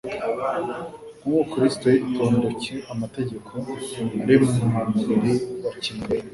Nk'uko Kristo yitondcye amategeko ari mu mubiri wa kimuntu,